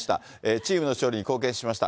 チームの勝利に貢献しました。